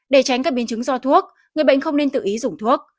để tránh các biến chứng do thuốc người bệnh không nên tự ý dùng thuốc